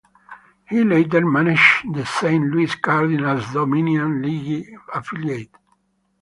He later managed the Saint Louis Cardinals' Dominican League affiliate.